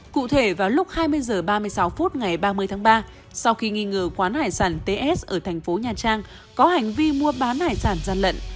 cụ thể vào lúc hai mươi h ba mươi sáu phút ngày ba mươi tháng ba sau khi nghi ngờ quán hải sản ts ở thành phố nha trang có hành vi mua bán hải sản gian lận